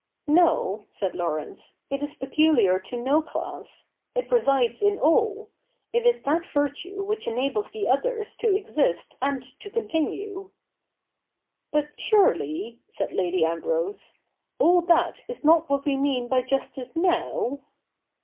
' No," said Laurence :' it is peculiar to no class. It resides in all. It is that virtue which enables the others to exist and to continue.' ' But surely," said Lady Ambrose, 'all that is not what we mean by justice now